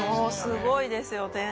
すごいですよね。